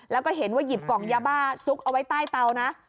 แล้วก็เห็นว่าหยิบกล่องยาบ้าซุกเอาไว้ใต้เตานะ